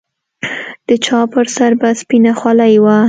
د چا پر سر به سپينه خولۍ وه.